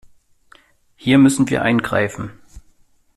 Hier müssen wir eingreifen.